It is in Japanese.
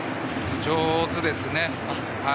上手ですね。